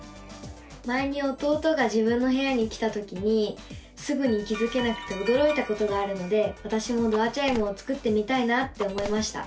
前に弟が自分の部屋に来たときにすぐに気付けなくておどろいたことがあるのでわたしもドアチャイムを作ってみたいなって思いました！